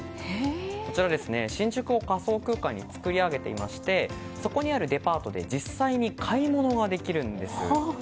こちら、新宿を仮想空間に作り上げていてそこにあるデパートで実際に買い物ができるんです。